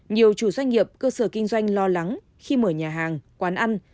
nhiều chủ doanh nghiệp cơ sở kinh doanh lo lắng khi mở nhà hàng quán ăn